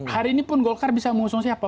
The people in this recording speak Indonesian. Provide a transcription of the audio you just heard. hari ini pun golkar bisa mengusung siapa